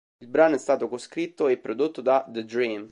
Il brano è stato coscritto e prodotto da The-Dream.